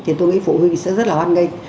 thì tôi nghĩ phụ huynh sẽ rất là hoan nghênh